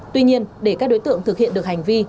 tuy nhiên để các đối tượng thực hiện được hành vi